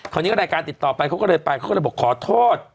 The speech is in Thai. รายการติดต่อไปเขาก็เลยไปเขาก็เลยบอกขอโทษ